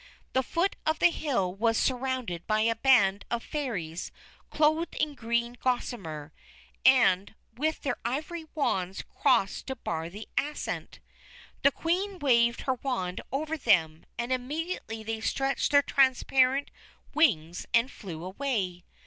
The foot of the hill was surrounded by a band of Fairies clothed in green gossamer, and with their ivory wands crossed to bar the ascent. The Queen waved her wand over them, and immediately they stretched their transparent wings and flew away.